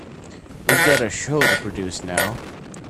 We've got to produce a show now.